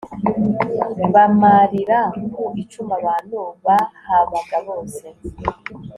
bamarira ku icumu abantu bahabaga bose